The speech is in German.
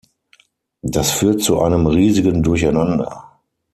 Das führt zu einem riesigen Durcheinander.